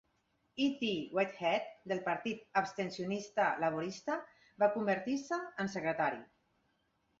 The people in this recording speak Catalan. E. T. Whitehead, del Partit abstencionista laborista, va convertir-se en secretari.